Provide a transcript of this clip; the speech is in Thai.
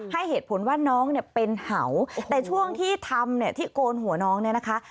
ให้เหตุผลว่าน้องเนี่ยเป็นเห่าแต่ช่วงที่ทำเนี่ยที่โกนหัวน้องเนี่ยนะคะ